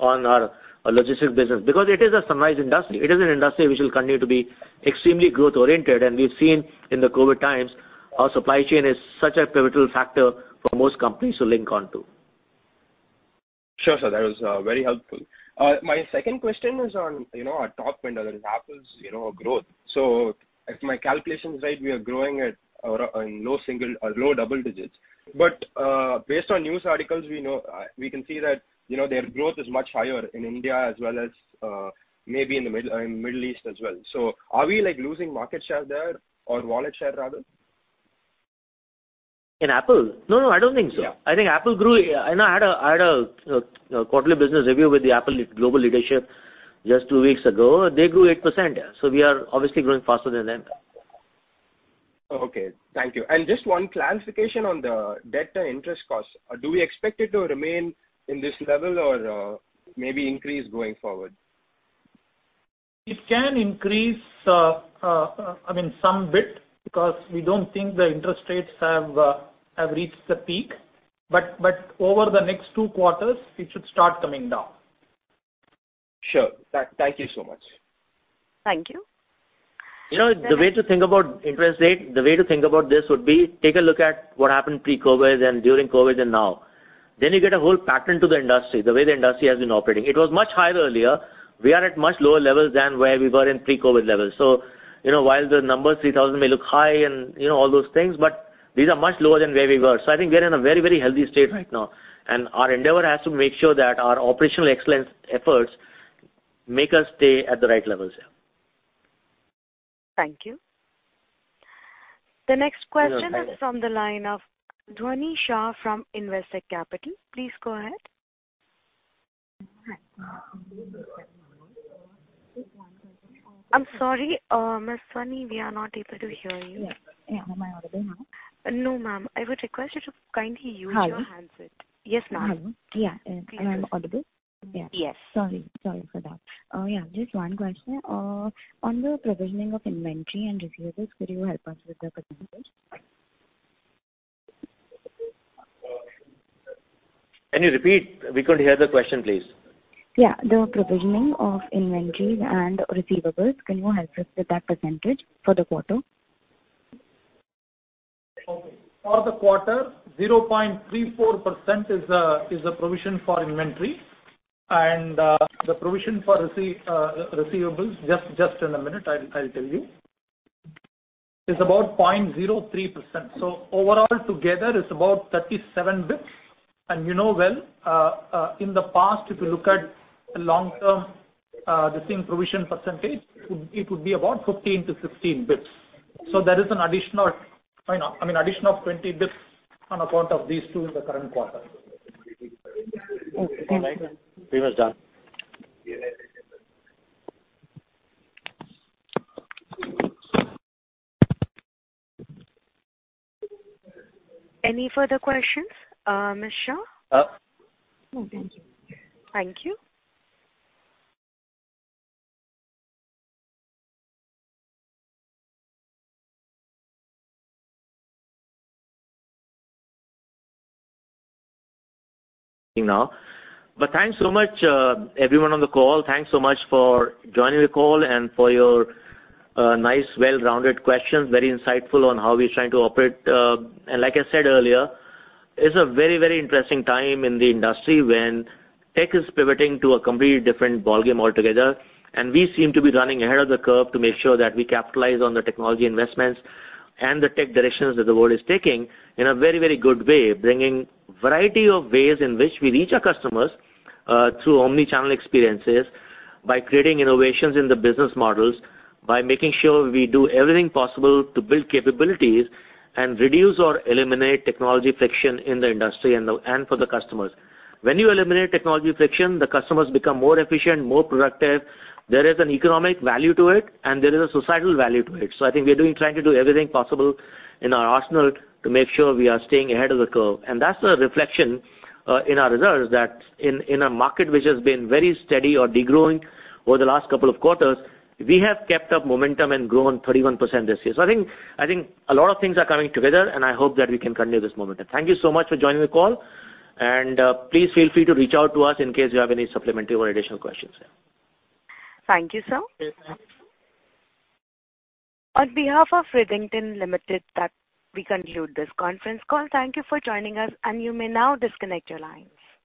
on our logistics business. Because it is a sunrise industry. It is an industry which will continue to be extremely growth-oriented. We've seen in the COVID times, our supply chain is such a pivotal factor for most companies to link onto. Sure, sir. That was very helpful. My second question is on, you know, our top vendor, that is Apple's, you know, growth. If my calculation is right, we are growing at or in low single or low double digits. Based on news articles, we know, we can see that, you know, their growth is much higher in India as well as, maybe in the Middle East as well. Are we, like, losing market share there or wallet share rather? In Apple? No, no, I don't think so. Yeah. I think Apple grew... You know, I had a, you know, quarterly business review with the Apple global leadership just two weeks ago. They grew 8%. We are obviously growing faster than them. Okay, thank you. Just one clarification on the debt to interest cost. Do we expect it to remain in this level or maybe increase going forward? It can increase, I mean, some bit because we don't think the interest rates have reached the peak. Over the next two quarters, it should start coming down. Sure. Thank you so much. Thank you. You know, the way to think about interest rate, the way to think about this would be take a look at what happened pre-COVID and during COVID and now. You get a whole pattern to the industry, the way the industry has been operating. It was much higher earlier. We are at much lower levels than where we were in pre-COVID levels. You know, while the number 3,000 may look high and you know all those things, but these are much lower than where we were. I think we're in a very, very healthy state right now. Our endeavor has to make sure that our operational excellence efforts make us stay at the right levels, yeah. Thank you. The next question is from the line of Dhvani Shah from Investec Capital. Please go ahead. I'm sorry, Ms. Dhvani, we are not able to hear you. Yeah. Am I audible now? No, ma'am. I would request you to kindly use your handset. Hello. Yes, ma'am. Hello. Yeah. Am I audible? Yes. Sorry. Sorry for that. Yeah, just one question. On the provisioning of inventory and receivables, could you help us with the percentage? Can you repeat? We couldn't hear the question, please. Yeah. The provisioning of inventories and receivables, can you help us with that percentage for the quarter? Okay. For the quarter, 0.34% is the provision for inventory. The provision for receivables, just in a minute, I'll tell you. It's about 0.03%. Overall together it's about 37 basis points. You know well, in the past, if you look at long-term, the same provision percentage, it would be about 15-16 basis points. There is an additional, you know, I mean, additional 20 basis points on account of these two in the current quarter. Okay. Thank you. We're done. Any further questions, Ms. Shah? No, thank you. Thanks so much, everyone on the call. Thanks so much for joining the call and for your nice well-rounded questions. Very insightful on how we're trying to operate. Like I said earlier, it's a very, very interesting time in the industry when tech is pivoting to a completely different ballgame altogether, and we seem to be running ahead of the curve to make sure that we capitalize on the technology investments and the tech directions that the world is taking in a very, very good way, bringing variety of ways in which we reach our customers through omnichannel experiences, by creating innovations in the business models, by making sure we do everything possible to build capabilities and reduce or eliminate technology friction in the industry and for the customers. When you eliminate technology friction, the customers become more efficient, more productive. There is an economic value to it and there is a societal value to it. I think we are trying to do everything possible in our arsenal to make sure we are staying ahead of the curve. That's the reflection in our results that in a market which has been very steady or de-growing over the last couple of quarters, we have kept up momentum and grown 31% this year. I think a lot of things are coming together, and I hope that we can continue this momentum. Thank you so much for joining the call, please feel free to reach out to us in case you have any supplementary or additional questions. Thank you, sir. On behalf of Redington Limited, that we conclude this conference call. Thank you for joining us, and you may now disconnect your lines.